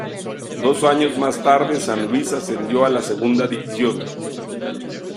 Dos años más tarde San Luis ascendió a la segunda división.